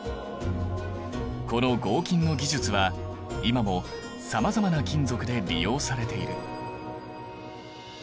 この合金の技術は今もさまざまな金属で利用されている。